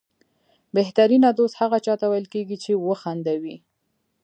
بهترینه دوست هغه چاته ویل کېږي چې وخندوي.